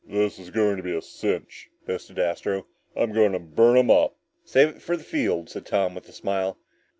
"This is going to be a cinch," boasted Astro. "I'm going to burn 'em up!" "Save it for the field," said Tom with a smile.